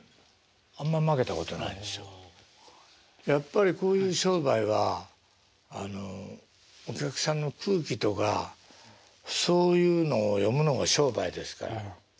やっぱりこういう商売はあのお客さんの空気とかそういうのを読むのも商売ですから。